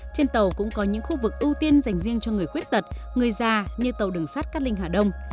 trên tàu cũng có những khu vực ưu tiên dành riêng cho người khuyết tật người già như tàu đường sát cát linh hà đông